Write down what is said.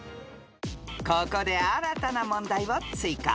［ここで新たな問題を追加］